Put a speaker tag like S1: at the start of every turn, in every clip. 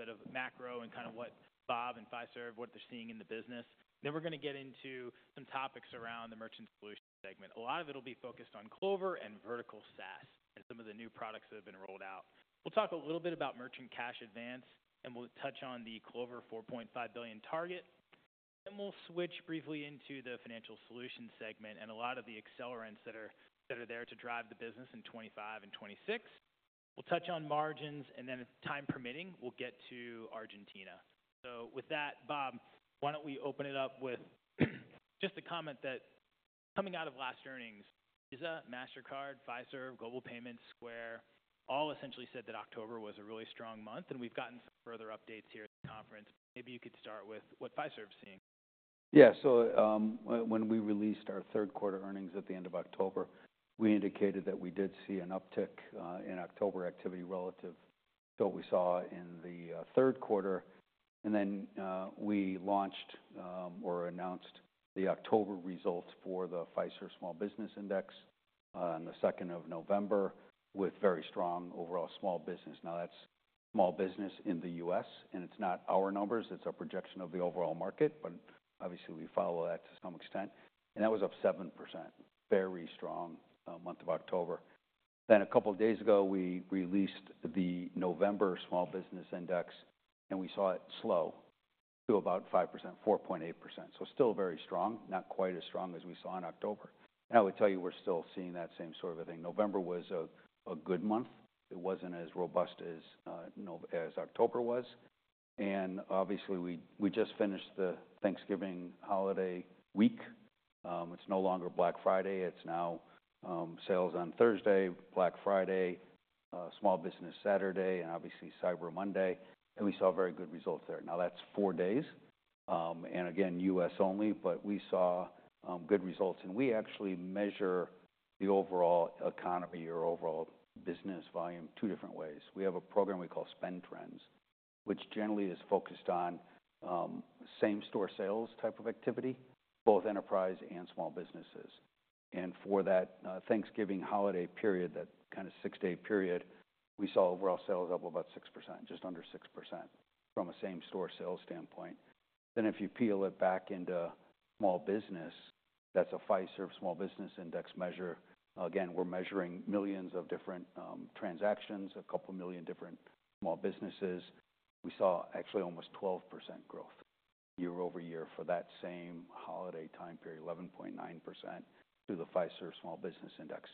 S1: On a little bit of macro and kind of what Bob and Fiserv, what they're seeing in the business. Then we're going to get into some topics around the Merchant Solutions segment. A lot of it will be focused on Clover and vertical SaaS and some of the new products that have been rolled out. We'll talk a little bit about merchant cash advance, and we'll touch on the Clover $4.5 billion target. Then we'll switch briefly into the Financial Solutions segment and a lot of the accelerants that are there to drive the business in 2025 and 2026. We'll touch on margins, and then if time permitting, we'll get to Argentina. So with that, Bob, why don't we open it up with just a comment that coming out of last earnings, Visa, Mastercard, Fiserv, Global Payments, Square, all essentially said that October was a really strong month, and we've gotten some further updates here at the conference. Maybe you could start with what Fiserv is seeing.
S2: Yeah. So when we released our third quarter earnings at the end of October, we indicated that we did see an uptick in October activity relative to what we saw in the third quarter. And then we launched or announced the October results for the Fiserv Small Business Index on the 2nd of November with very strong overall small business. Now, that's small business in the U.S., and it's not our numbers. It's a projection of the overall market, but obviously we follow that to some extent. And that was up 7%, very strong month of October. Then a couple of days ago, we released the November Small Business Index, and we saw it slow to about 5%, 4.8%. So still very strong, not quite as strong as we saw in October. And I would tell you we're still seeing that same sort of a thing. November was a good month. It wasn't as robust as October was, and obviously, we just finished the Thanksgiving holiday week. It's no longer Black Friday. It's now sales on Thursday, Black Friday, Small Business Saturday, and obviously Cyber Monday, and we saw very good results there. Now, that's four days, and again, U.S. only, but we saw good results, and we actually measure the overall economy or overall business volume two different ways. We have a program we call SpendTrend, which generally is focused on same-store sales type of activity, both enterprise and small businesses, and for that Thanksgiving holiday period, that kind of six-day period, we saw overall sales up about 6%, just under 6% from a same-store sales standpoint, then if you peel it back into small business, that's a Fiserv Small Business Index measure. Again, we're measuring millions of different transactions, a couple of million different small businesses. We saw actually almost 12% growth year-over-year for that same holiday time period, 11.9% to the Fiserv Small Business Index.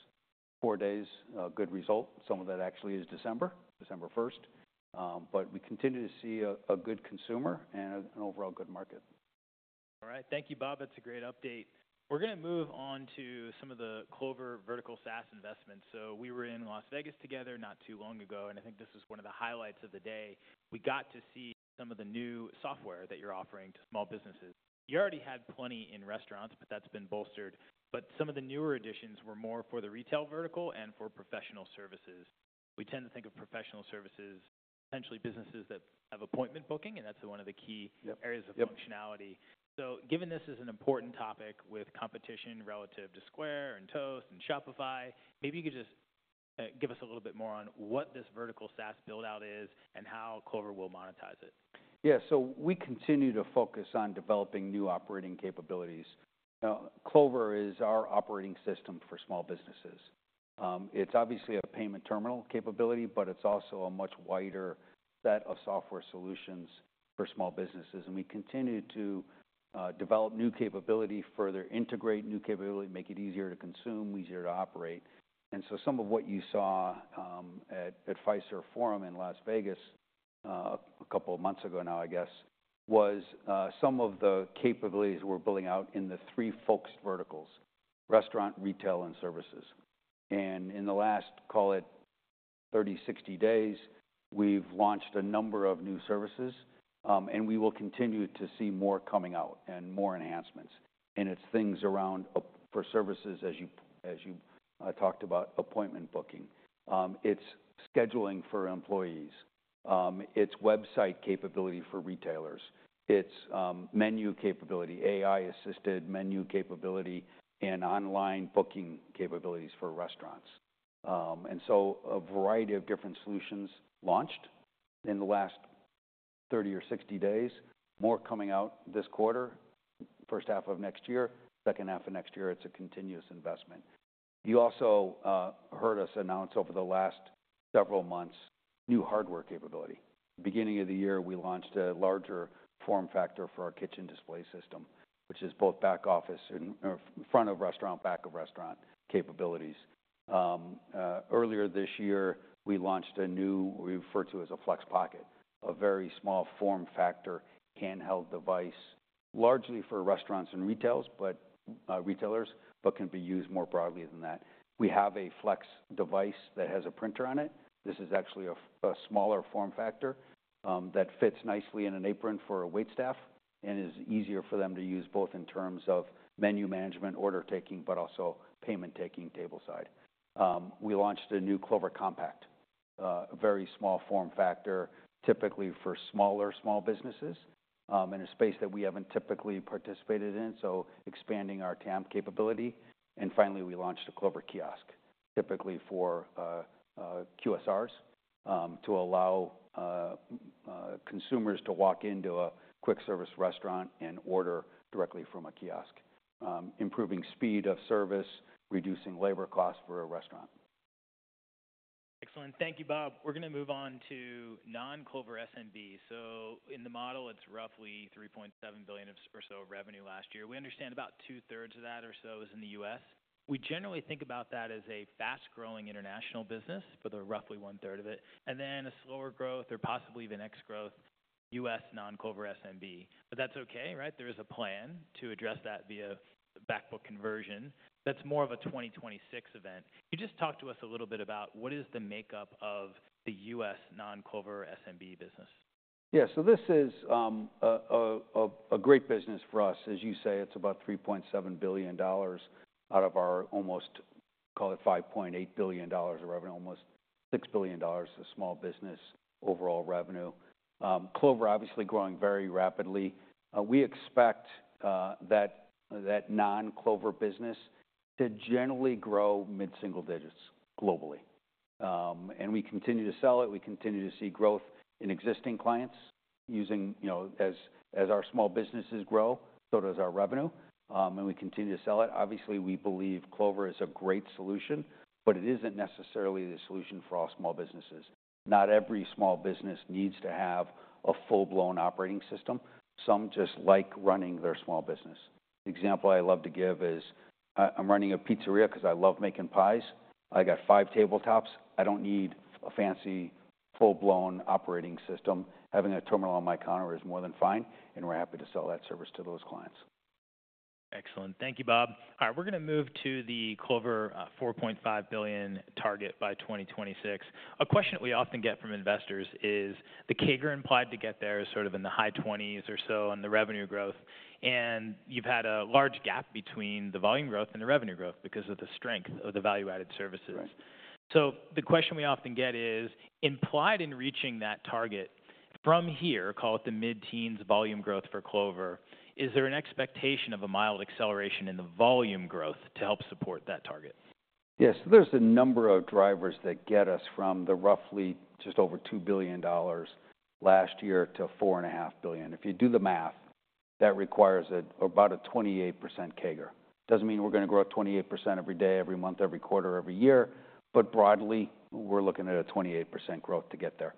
S2: Four days, good result. Some of that actually is December, December 1st. But we continue to see a good consumer and an overall good market.
S1: All right. Thank you, Bob. That's a great update. We're going to move on to some of the Clover vertical SaaS investments. We were in Las Vegas together not too long ago, and I think this was one of the highlights of the day. We got to see some of the new software that you're offering to small businesses. You already had plenty in restaurants, but that's been bolstered. Some of the newer additions were more for the retail vertical and for professional services. We tend to think of professional services, potentially businesses that have appointment booking, and that's one of the key areas of functionality. Given this is an important topic with competition relative to Square and Toast and Shopify, maybe you could just give us a little bit more on what this vertical SaaS buildout is and how Clover will monetize it.
S2: Yeah. So we continue to focus on developing new operating capabilities. Now, Clover is our operating system for small businesses. It's obviously a payment terminal capability, but it's also a much wider set of software solutions for small businesses. And we continue to develop new capability, further integrate new capability, make it easier to consume, easier to operate. And so some of what you saw at Fiserv Forum in Las Vegas a couple of months ago now, I guess, was some of the capabilities we're building out in the three focused verticals: restaurant, retail, and services. And in the last, call it 30, 60 days, we've launched a number of new services, and we will continue to see more coming out and more enhancements. And it's things around for services, as you talked about, appointment booking. It's scheduling for employees. It's website capability for retailers. It's menu capability, AI-assisted menu capability, and online booking capabilities for restaurants, and so a variety of different solutions launched in the last 30 or 60 days, more coming out this quarter, first half of next year, second half of next year. It's a continuous investment. You also heard us announce over the last several months new hardware capability. Beginning of the year, we launched a larger form factor for our kitchen display system, which is both back office and front of restaurant, back of restaurant capabilities. Earlier this year, we launched a new, we refer to as a Flex Pocket, a very small form factor handheld device, largely for restaurants and retailers, but can be used more broadly than that. We have a Flex device that has a printer on it. This is actually a smaller form factor that fits nicely in an apron for a waitstaff and is easier for them to use both in terms of menu management, order taking, but also payment taking table side. We launched a new Clover Compact, a very small form factor, typically for smaller small businesses in a space that we haven't typically participated in, so expanding our TAM capability. And finally, we launched a Clover Kiosk, typically for QSRs, to allow consumers to walk into a quick service restaurant and order directly from a kiosk, improving speed of service, reducing labor costs for a restaurant.
S1: Excellent. Thank you, Bob. We're going to move on to non-Clover SMB. So in the model, it's roughly $3.7 billion or so revenue last year. We understand about two-thirds of that or so is in the U.S. We generally think about that as a fast-growing international business for the roughly one-third of it, and then a slower growth or possibly even ex-growth U.S. non-Clover SMB. But that's okay, right? There is a plan to address that via backbook conversion. That's more of a 2026 event. Can you just talk to us a little bit about what is the makeup of the U.S. non-Clover SMB business?
S2: Yeah, so this is a great business for us. As you say, it's about $3.7 billion out of our almost, call it $5.8 billion of revenue, almost $6 billion of small business overall revenue. Clover obviously growing very rapidly. We expect that non-Clover business to generally grow mid-single digits globally. And we continue to sell it. We continue to see growth in existing clients as our small businesses grow, so does our revenue. And we continue to sell it. Obviously, we believe Clover is a great solution, but it isn't necessarily the solution for all small businesses. Not every small business needs to have a full-blown operating system. Some just like running their small business. The example I love to give is I'm running a pizzeria because I love making pies. I got five tabletops. I don't need a fancy full-blown operating system. Having a terminal on my counter is more than fine, and we're happy to sell that service to those clients.
S1: Excellent. Thank you, Bob. All right. We're going to move to the Clover $4.5 billion target by 2026. A question that we often get from investors is the CAGR implied to get there is sort of in the high 20s or so on the revenue growth. And you've had a large gap between the volume growth and the revenue growth because of the strength of the value-added services. So the question we often get is, implied in reaching that target from here, call it the mid-teens volume growth for Clover, is there an expectation of a mild acceleration in the volume growth to help support that target?
S2: Yes. There's a number of drivers that get us from the roughly just over $2 billion last year to $4.5 billion. If you do the math, that requires about a 28% CAGR. Doesn't mean we're going to grow 28% every day, every month, every quarter, every year, but broadly, we're looking at a 28% growth to get there.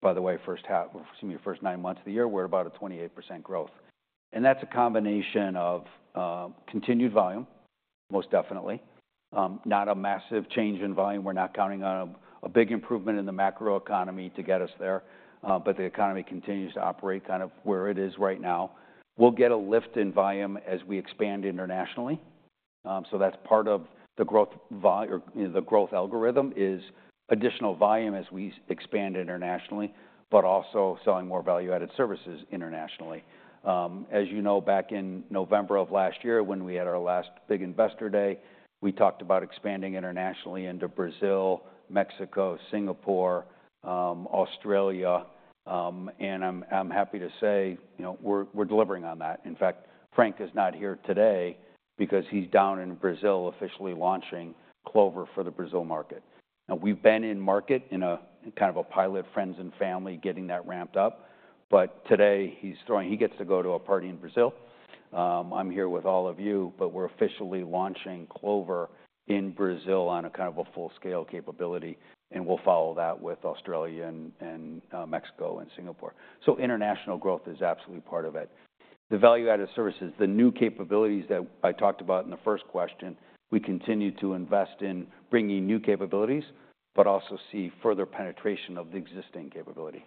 S2: By the way, first half, excuse me, first nine months of the year, we're at about a 28% growth. And that's a combination of continued volume, most definitely. Not a massive change in volume. We're not counting on a big improvement in the macro economy to get us there, but the economy continues to operate kind of where it is right now. We'll get a lift in volume as we expand internationally. So that's part of the growth algorithm is additional volume as we expand internationally, but also selling more value-added services internationally. As you know, back in November of last year, when we had our last big investor day, we talked about expanding internationally into Brazil, Mexico, Singapore, Australia. And I'm happy to say we're delivering on that. In fact, Frank is not here today because he's down in Brazil officially launching Clover for the Brazil market. Now, we've been in market in a kind of a pilot friends and family getting that ramped up. But today, he gets to go to a party in Brazil. I'm here with all of you, but we're officially launching Clover in Brazil on a kind of a full-scale capability. And we'll follow that with Australia and Mexico and Singapore. So international growth is absolutely part of it. The value-added services, the new capabilities that I talked about in the first question, we continue to invest in bringing new capabilities, but also see further penetration of the existing capability.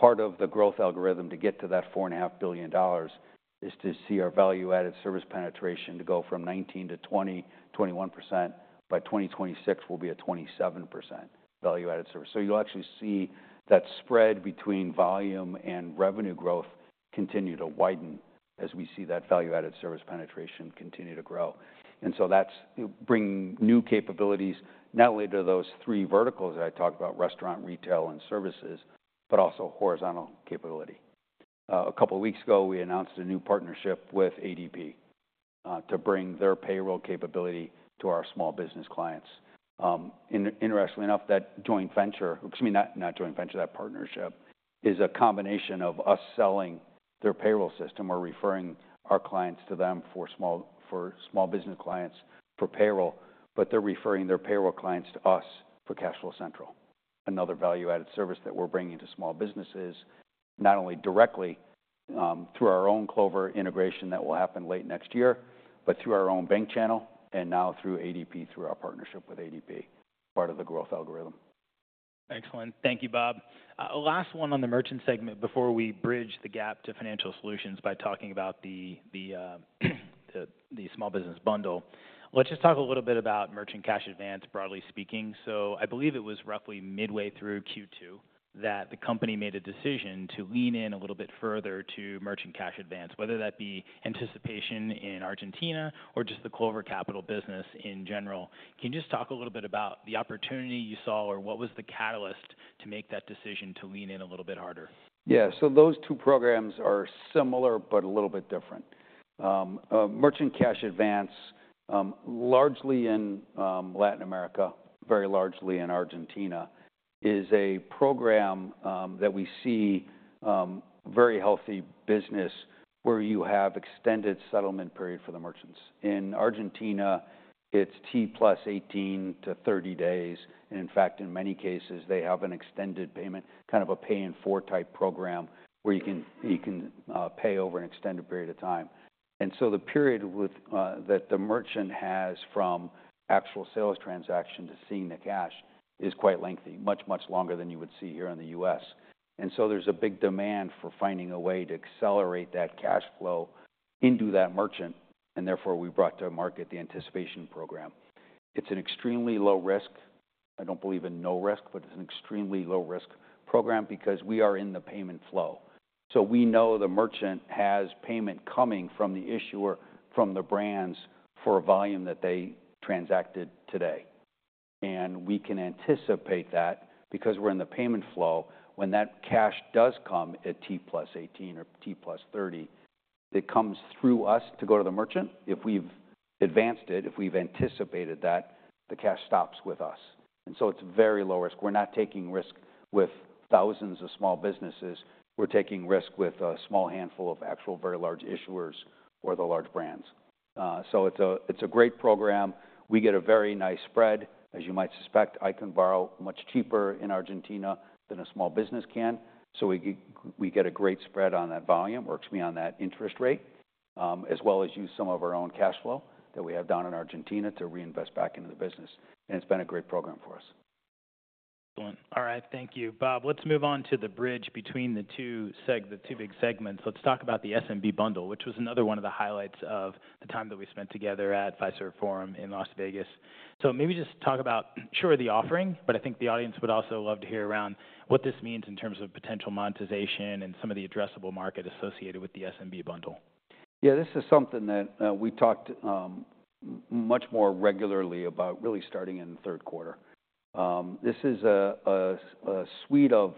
S2: Part of the growth algorithm to get to that $4.5 billion is to see our value-added service penetration to go from 19%-20%, 21%. By 2026, we'll be at 27% value-added service. So you'll actually see that spread between volume and revenue growth continue to widen as we see that value-added service penetration continue to grow. And so that's bringing new capabilities, not only to those three verticals that I talked about, restaurant, retail, and services, but also horizontal capability. A couple of weeks ago, we announced a new partnership with ADP to bring their payroll capability to our small business clients. Interestingly enough, that joint venture, excuse me, not joint venture, that partnership is a combination of us selling their payroll system. We're referring our clients to them for small business clients for payroll, but they're referring their payroll clients to us for Cash Flow Central. Another value-added service that we're bringing to small businesses, not only directly through our own Clover integration that will happen late next year, but through our own bank channel and now through ADP, through our partnership with ADP, part of the growth algorithm.
S1: Excellent. Thank you, Bob. Last one on the merchant segment before we bridge the gap to financial solutions by talking about the small business bundle. Let's just talk a little bit about merchant cash advance, broadly speaking. So I believe it was roughly midway through Q2 that the company made a decision to lean in a little bit further to merchant cash advance, whether that be origination in Argentina or just the Clover Capital business in general. Can you just talk a little bit about the opportunity you saw or what was the catalyst to make that decision to lean in a little bit harder?
S2: Yeah. So those two programs are similar, but a little bit different. Merchant Cash Advance, largely in Latin America, very largely in Argentina, is a program that we see very healthy business where you have extended settlement period for the merchants. In Argentina, it's T+ 18-30 days. And in fact, in many cases, they have an extended payment, kind of a pay-in-four type program where you can pay over an extended period of time. And so the period that the merchant has from actual sales transaction to seeing the cash is quite lengthy, much, much longer than you would see here in the U.S. And so there's a big demand for finding a way to accelerate that cash flow into that merchant. And therefore, we brought to market the anticipation program. It's an extremely low risk. I don't believe in no risk, but it's an extremely low risk program because we are in the payment flow. So we know the merchant has payment coming from the issuer, from the brands for volume that they transacted today. And we can anticipate that because we're in the payment flow. When that cash does come at T+18 or T+30, it comes through us to go to the merchant. If we've advanced it, if we've anticipated that, the cash stops with us. And so it's very low risk. We're not taking risk with thousands of small businesses. We're taking risk with a small handful of actual very large issuers or the large brands. So it's a great program. We get a very nice spread. As you might suspect, I can borrow much cheaper in Argentina than a small business can. So we get a great spread on that volume, or excuse me, on that interest rate, as well as use some of our own cash flow that we have down in Argentina to reinvest back into the business. And it's been a great program for us.
S1: Excellent. All right. Thank you, Bob. Let's move on to the bridge between the two big segments. Let's talk about the SMB bundle, which was another one of the highlights of the time that we spent together at Fiserv Forum in Las Vegas. So maybe just talk about, sure, the offering, but I think the audience would also love to hear around what this means in terms of potential monetization and some of the addressable market associated with the SMB bundle.
S2: Yeah. This is something that we talked much more regularly about, really starting in the third quarter. This is a suite of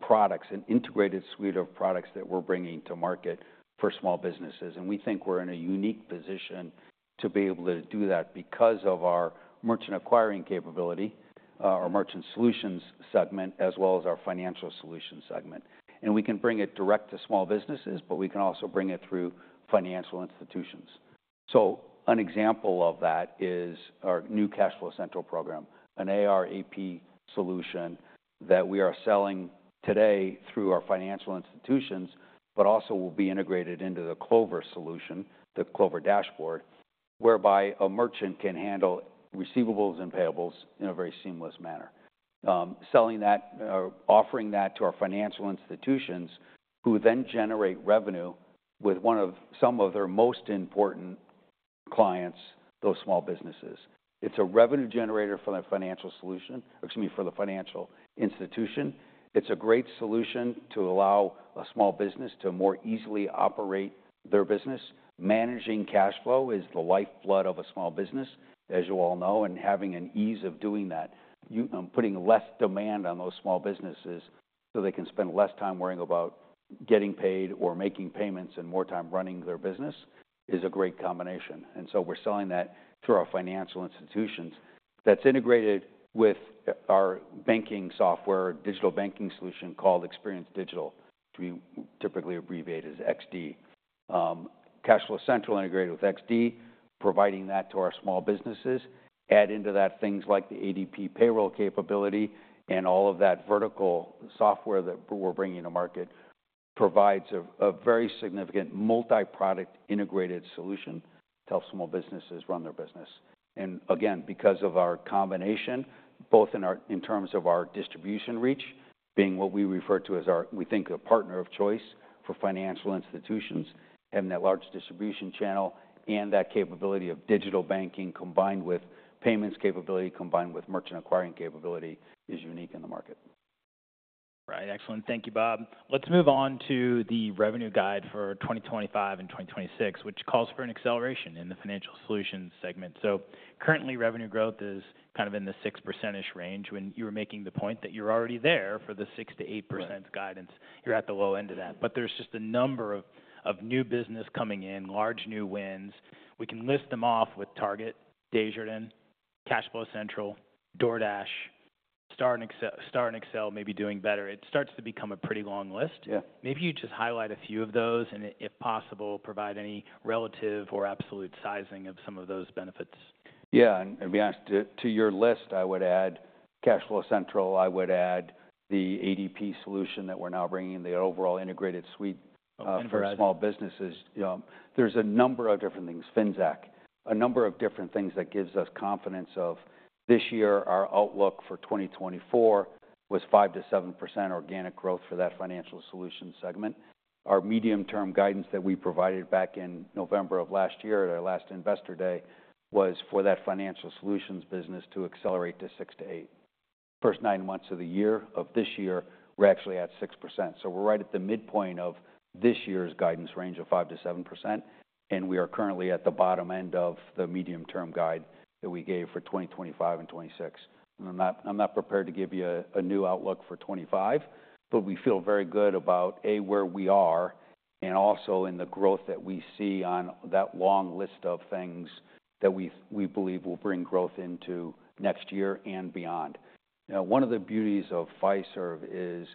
S2: products, an integrated suite of products that we're bringing to market for small businesses. And we think we're in a unique position to be able to do that because of our merchant acquiring capability, our merchant solutions segment, as well as our financial solutions segment. And we can bring it direct to small businesses, but we can also bring it through financial institutions. So an example of that is our new Cash Flow Central program, an AR/AP solution that we are selling today through our financial institutions, but also will be integrated into the Clover solution, the Clover dashboard, whereby a merchant can handle receivables and payables in a very seamless manner. Offering that to our financial institutions who then generate revenue with some of their most important clients, those small businesses. It's a revenue generator for the financial solution, excuse me, for the financial institution. It's a great solution to allow a small business to more easily operate their business. Managing cash flow is the lifeblood of a small business, as you all know, and having an ease of doing that. Putting less demand on those small businesses so they can spend less time worrying about getting paid or making payments and more time running their business is a great combination, and so we're selling that through our financial institutions. That's integrated with our banking software, digital banking solution called Experience Digital, typically abbreviated as XD. Cash Flow Central integrated with XD, providing that to our small businesses. Add into that things like the ADP payroll capability and all of that vertical software that we're bringing to market provides a very significant multi-product integrated solution to help small businesses run their business. And again, because of our combination, both in terms of our distribution reach, being what we refer to as our, we think, a partner of choice for financial institutions, having that large distribution channel and that capability of digital banking combined with payments capability combined with merchant acquiring capability is unique in the market.
S1: All right. Excellent. Thank you, Bob. Let's move on to the revenue guide for 2025 and 2026, which calls for an acceleration in the financial solutions segment, so currently, revenue growth is kind of in the 6%-ish range when you were making the point that you're already there for the 6%-8% guidance. You're at the low end of that, but there's just a number of new business coming in, large new wins. We can list them off with Target, Desjardins, Cash Flow Central, DoorDash, Star and Accel maybe doing better. It starts to become a pretty long list, maybe you just highlight a few of those and, if possible, provide any relative or absolute sizing of some of those benefits.
S2: Yeah. And to be honest, to your list, I would add Cash Flow Central. I would add the ADP solution that we're now bringing, the overall integrated suite for small businesses. There's a number of different things, Finxact, a number of different things that gives us confidence of this year. Our outlook for 2024 was 5%-7% organic growth for that Financial Solutions segment. Our medium-term guidance that we provided back in November of last year at our last investor day was for that Financial Solutions business to accelerate to 6%-8%. The first nine months of this year, we're actually at 6%. So we're right at the midpoint of this year's guidance range of 5%-7%. And we are currently at the bottom end of the medium-term guide that we gave for 2025 and 2026. I'm not prepared to give you a new outlook for 25, but we feel very good about A, where we are, and also in the growth that we see on that long list of things that we believe will bring growth into next year and beyond. Now, one of the beauties of Fiserv is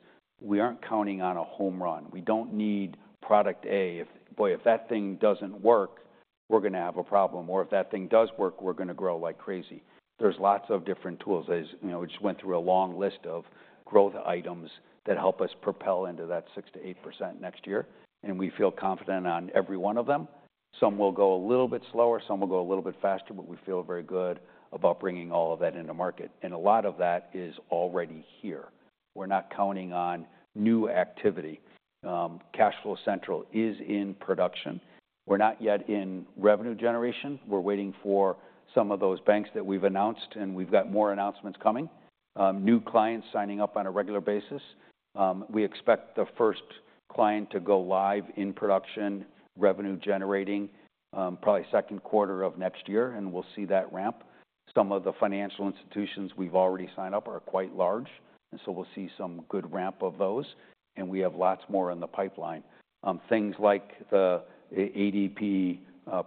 S2: we aren't counting on a home run. We don't need product A. Boy, if that thing doesn't work, we're going to have a problem. Or if that thing does work, we're going to grow like crazy. There's lots of different tools. We just went through a long list of growth items that help us propel into that 6%-8% next year, and we feel confident on every one of them. Some will go a little bit slower. Some will go a little bit faster, but we feel very good about bringing all of that into market, and a lot of that is already here. We're not counting on new activity. Cash Flow Central is in production. We're not yet in revenue generation. We're waiting for some of those banks that we've announced, and we've got more announcements coming. New clients signing up on a regular basis. We expect the first client to go live in production, revenue generating, probably second quarter of next year, and we'll see that ramp. Some of the financial institutions we've already signed up are quite large, and so we'll see some good ramp of those, and we have lots more in the pipeline. Things like the ADP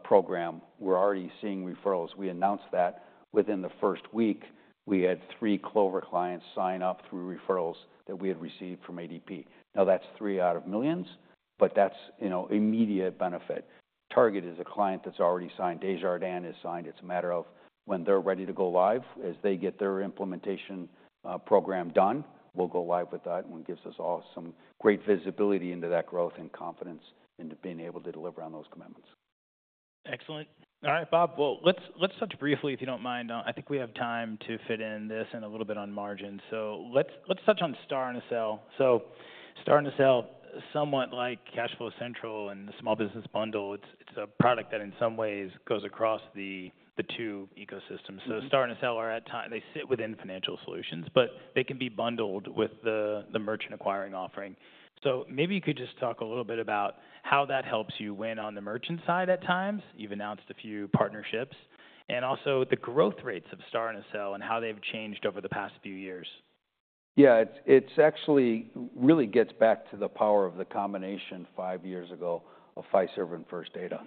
S2: program, we're already seeing referrals. We announced that within the first week, we had three Clover clients sign up through referrals that we had received from ADP. Now, that's three out of millions, but that's immediate benefit. Target is a client that's already signed. Desjardins has signed. It's a matter of when they're ready to go live, as they get their implementation program done, we'll go live with that, and it gives us all some great visibility into that growth and confidence into being able to deliver on those commitments.
S1: Excellent. All right, Bob. Well, let's touch briefly, if you don't mind. I think we have time to fit in this and a little bit on margins. So let's touch on Star and Accel. So Star and Accel, somewhat like CashFlow Central and the small business bundle, it's a product that in some ways goes across the two ecosystems. So Star and Accel are at times they sit within Financial Solutions, but they can be bundled with the merchant acquiring offering. So maybe you could just talk a little bit about how that helps you win on the merchant side at times. You've announced a few partnerships. And also the growth rates of Star and Accel and how they've changed over the past few years.
S2: Yeah. It actually really gets back to the power of the combination five years ago of Fiserv and First Data.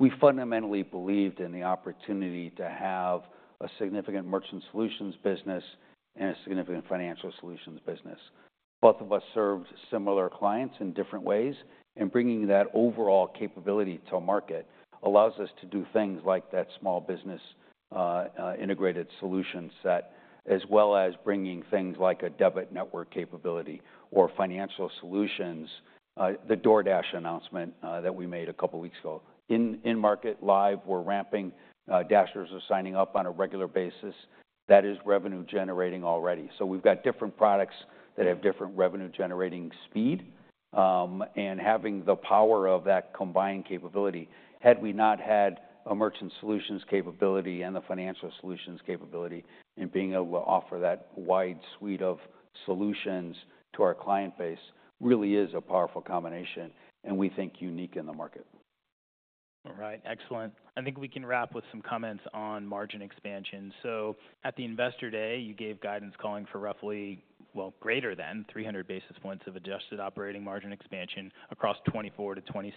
S2: We fundamentally believed in the opportunity to have a significant merchant solutions business and a significant financial solutions business. Both of us served similar clients in different ways. And bringing that overall capability to market allows us to do things like that small business integrated solution set, as well as bringing things like a debit network capability or financial solutions, the DoorDash announcement that we made a couple of weeks ago. In market live, we're ramping. Dashers are signing up on a regular basis. That is revenue generating already. So we've got different products that have different revenue generating speed. Having the power of that combined capability, had we not had a Merchant Solutions capability and the Financial Solutions capability and being able to offer that wide suite of solutions to our client base, really is a powerful combination and we think unique in the market.
S1: All right. Excellent. I think we can wrap with some comments on margin expansion. So at the investor day, you gave guidance calling for roughly, well, greater than 300 basis points of adjusted operating margin expansion across 24-26.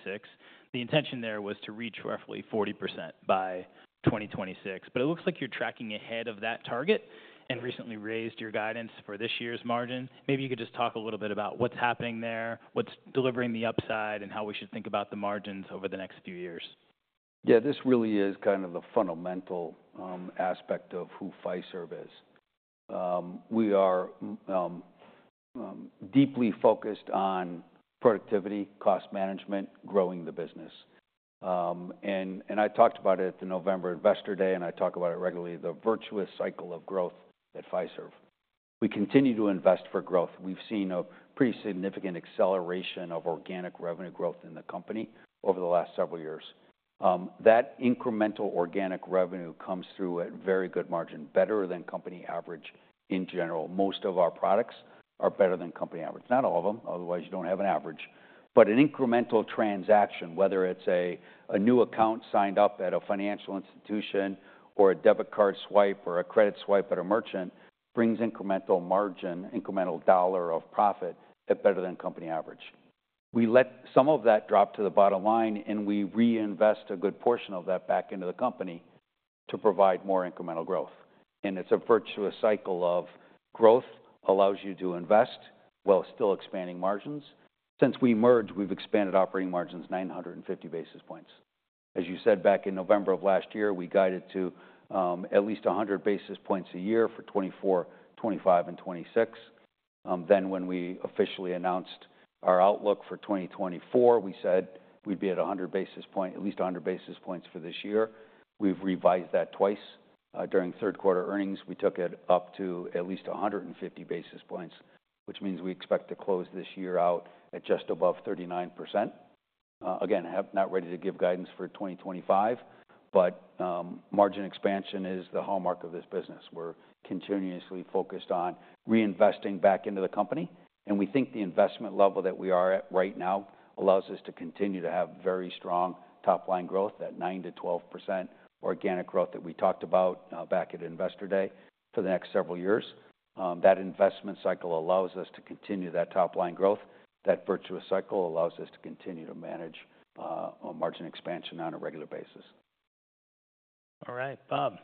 S1: The intention there was to reach roughly 40% by 2026. But it looks like you're tracking ahead of that target and recently raised your guidance for this year's margin. Maybe you could just talk a little bit about what's happening there, what's delivering the upside, and how we should think about the margins over the next few years.
S2: Yeah. This really is kind of the fundamental aspect of who Fiserv is. We are deeply focused on productivity, cost management, growing the business. And I talked about it at the November investor day, and I talk about it regularly, the virtuous cycle of growth at Fiserv. We continue to invest for growth. We've seen a pretty significant acceleration of organic revenue growth in the company over the last several years. That incremental organic revenue comes through at very good margin, better than company average in general. Most of our products are better than company average. Not all of them, otherwise you don't have an average. But an incremental transaction, whether it's a new account signed up at a financial institution or a debit card swipe or a credit swipe at a merchant, brings incremental margin, incremental dollar of profit at better than company average. We let some of that drop to the bottom line, and we reinvest a good portion of that back into the company to provide more incremental growth. And it's a virtuous cycle of growth allows you to invest while still expanding margins. Since we merged, we've expanded operating margins 950 basis points. As you said, back in November of last year, we guided to at least 100 basis points a year for 2024, 2025, and 2026. Then when we officially announced our outlook for 2024, we said we'd be at 100 basis points, at least 100 basis points for this year. We've revised that twice. During third quarter earnings, we took it up to at least 150 basis points, which means we expect to close this year out at just above 39%. Again, not ready to give guidance for 2025, but margin expansion is the hallmark of this business. We're continuously focused on reinvesting back into the company, and we think the investment level that we are at right now allows us to continue to have very strong top-line growth, that 9%-12% organic growth that we talked about back at Investor Day for the next several years. That investment cycle allows us to continue that top-line growth. That virtuous cycle allows us to continue to manage margin expansion on a regular basis.
S1: All right, Bob.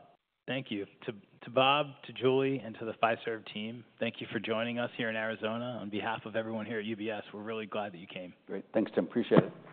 S1: Thank you. To Bob, to Julie, and to the Fiserv team, thank you for joining us here in Arizona. On behalf of everyone here at UBS, we're really glad that you came.
S2: Great. Thanks, Tim. Appreciate it.